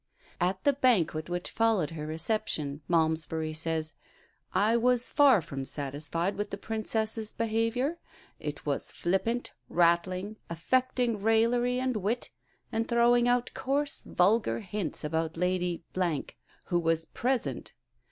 At the banquet which followed her reception, Malmesbury says, "I was far from satisfied with the Princess's behaviour. It was flippant, rattling, affecting raillery and wit, and throwing out coarse, vulgar hints about Lady , who was present.